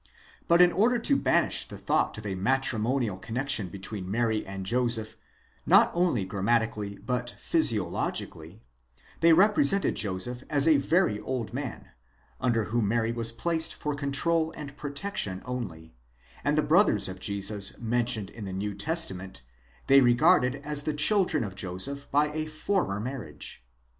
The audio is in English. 6 Butin order to banish the thought of a matrimonial connexion between Mary and Joseph, not only gram matically but physiologically, they represented Joseph as a very old man, under whom Mary was placed for control and protection only; and the brothers of Jesus mentioned in the New Testament they regarded as the children of Joseph by a former marriage.